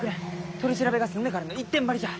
「取り調べが済んでから」の一点張りじゃ。